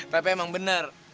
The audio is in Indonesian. tapi emang bener